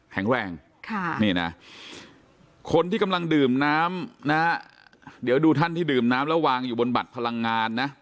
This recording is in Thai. แข็งแรงค่ะนี่นะคนที่กำลังดื่มน้ำนะเดี๋ยวดูท่านที่ดื่มน้ำแล้ววางอยู่บนบัตรพลังงานนะ